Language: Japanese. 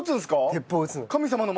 鉄砲撃つの。